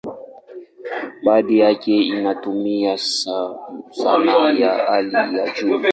Baadhi yake inatumia sanaa ya hali ya juu.